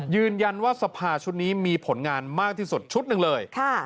ยืนยันว่าสภาชุดนี้มีผลงานมากที่สุดชุดหนึ่งเลย